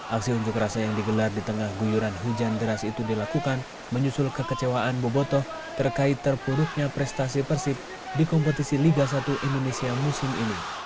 aksi unjuk rasa yang digelar di tengah guyuran hujan deras itu dilakukan menyusul kekecewaan boboto terkait terpuruknya prestasi persib di kompetisi liga satu indonesia musim ini